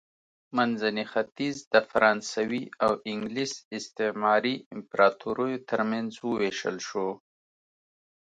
منځنی ختیځ د فرانسوي او انګلیس استعماري امپراتوریو ترمنځ ووېشل شو.